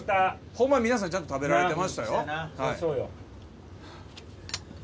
ホンマに皆さんちゃんと食べられてましたよ。